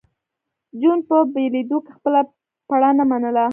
جون په بېلېدو کې خپله پړه نه منله